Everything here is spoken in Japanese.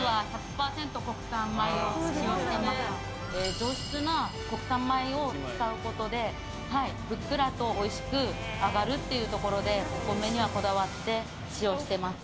上質な国産米を使うことでふっくらとおいしく揚がるのでお米にはこだわって使用してます。